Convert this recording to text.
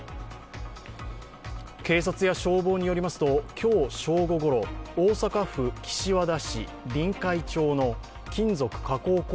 警察や消防によりますと、今日正午ごろ、大阪府岸和田市臨海町の金属加工